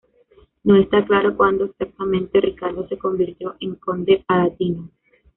No está claro cuándo exactamente Ricardo se convirtió en conde palatino.